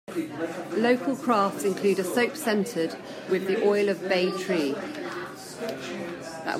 Local crafts include a soap scented with the oil of bay tree.